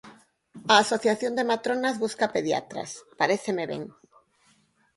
A Asociación de Matronas busca pediatras, paréceme ben.